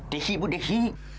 desi bu desi